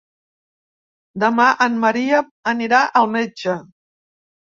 Demà en Maria anirà al metge.